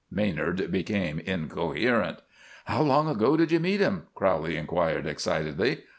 Maynard became incoherent. "How long ago did you meet him?" Crowley inquired, excitedly.